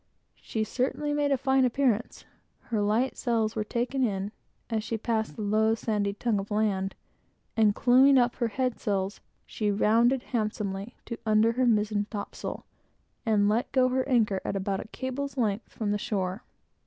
She certainly made a fine appearance. Her light sails were taken in, as she passed the low, sandy tongue of land, and clewing up her head sails, she rounded handsomely to, under her mizen topsail, and let go the anchor at about a cable's length from the shore.